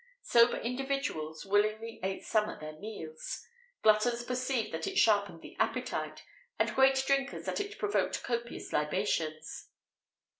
Sober individuals willingly ate some at their meals;[XVIII 40] gluttons perceived that it sharpened the appetite; and great drinkers that it provoked copious libations.